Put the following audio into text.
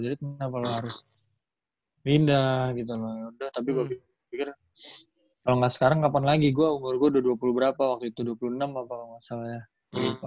jadi kenapa lu harus pindah gitu loh tapi gue pikir kalo gak sekarang kapan lagi umur gue udah dua puluh berapa waktu itu dua puluh enam apa ga salah ya